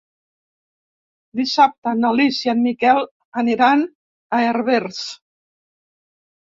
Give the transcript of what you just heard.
Dissabte na Lis i en Miquel aniran a Herbers.